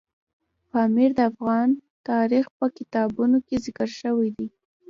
پامیر د افغان تاریخ په کتابونو کې ذکر شوی دی.